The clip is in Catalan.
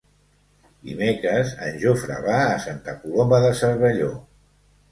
Dimecres en Jofre va a Santa Coloma de Cervelló.